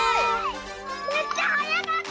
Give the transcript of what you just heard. めっちゃはやかった！